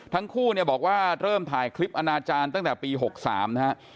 ทั้งคู่เนี่ยบอกว่าเริ่มถ่ายคลิปอนาจารย์ตั้งแต่ปี๖๓นะฮะ